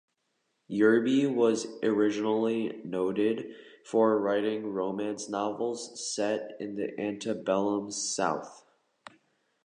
Yerby was originally noted for writing romance novels set in the antebellum South.